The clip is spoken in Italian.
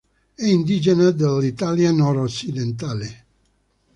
È indigena dell'Italia nord-occidentale.